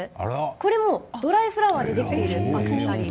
これもドライフラワーでできているアクセサリー。